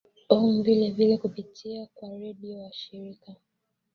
om vile vile kupitia kwa redio washirika